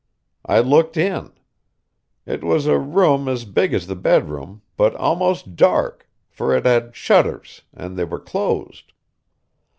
I looked in. It was a room as big as the bedroom, but almost dark, for it had shutters, and they were closed.